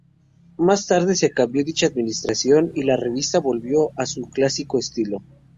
Más tarde, se cambió dicha administración, y la revista volvió a su clásico estilo.